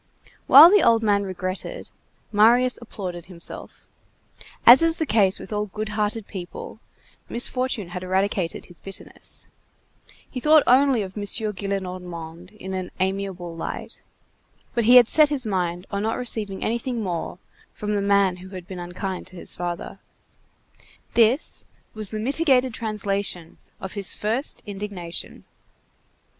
While the old man regretted, Marius applauded himself. As is the case with all good hearted people, misfortune had eradicated his bitterness. He only thought of M. Gillenormand in an amiable light, but he had set his mind on not receiving anything more from the man who had been unkind to his father. This was the mitigated translation of his first indignation.